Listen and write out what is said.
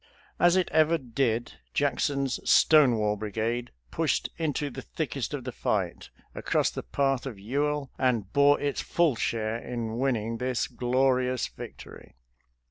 As it ever did, Jackson's ' Stonewall Brigade ' pushed into the thickest of the fight, across the path of Ewell, and bore its full share in winning this glorious victory."